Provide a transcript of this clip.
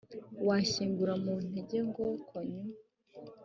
Washingura, mu ntege ngo « konyo »!